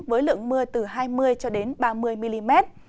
với lượng mưa từ hai mươi ba mươi mm